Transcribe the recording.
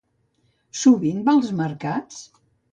Sovint va als mercats?